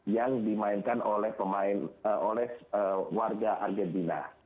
yang dimainkan oleh warga argentina